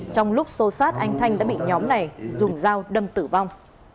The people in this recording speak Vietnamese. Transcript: trong lúc xô sát anh thanh đã bị nhóm này dùng dao đâm tử vong